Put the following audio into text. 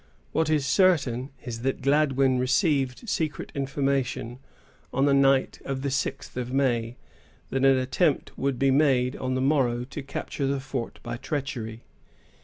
What is certain is, that Gladwyn received secret information, on the night of the sixth of May, that an attempt would be made on the morrow to capture the fort by treachery.